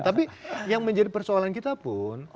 tapi yang menjadi persoalan kita pun